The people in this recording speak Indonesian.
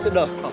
beri banyak ribu